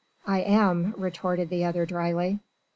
"I am," retorted the other drily.